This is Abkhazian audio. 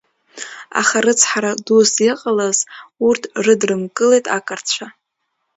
Аха рыцҳара дус иҟалаз урҭ рыдрымкылеит ақырҭцәа.